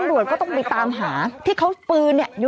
ช่วยเจียมช่วยเจียม